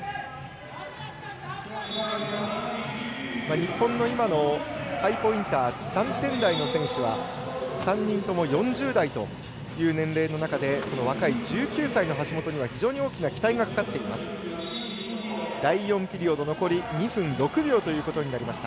日本の今のハイポインター３点台の選手は３人とも４０代という年齢の中で若い１９歳の橋本には非常に大きな期待がかかっています。